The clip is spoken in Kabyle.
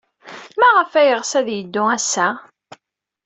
Maɣef ay yeɣs ad yeddu ass-a?